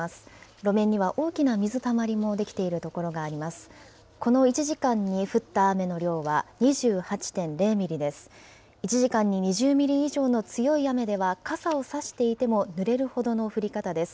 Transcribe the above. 路面には大きな水たまりも出来ている所もあります。